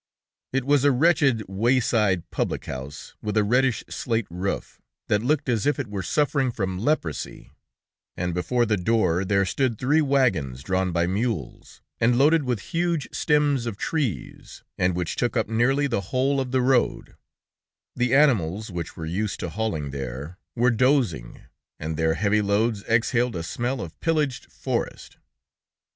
It was a wretched wayside public house, with a reddish slate roof, that looked as if it were suffering from leprosy, and before the door there stood three wagons drawn by mules, and loaded with huge stems of trees, and which took up nearly the whole of the road; the animals, which were used to halting there, were dozing, and their heavy loads exhaled a smell of a pillaged forest.